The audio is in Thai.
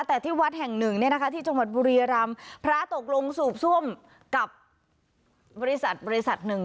แต่ที่วัดแห่งหนึ่งเนี่ยนะคะที่จังหวัดบุรียรำพระตกลงสูบซ่วมกับบริษัทบริษัทหนึ่ง